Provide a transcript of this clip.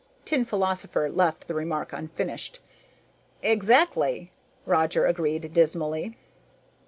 Tin Philosopher left the remark unfinished. "Exactly," Roger agreed dismally.